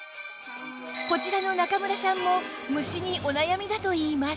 こちらの中村さんも虫にお悩みだといいます